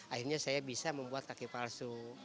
akhirnya saya bisa membuat kaki palsu